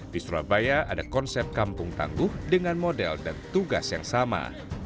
di surabaya ada konsep kampung tangguh dengan model dan tugas yang sama